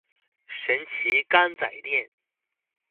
神奇柑仔店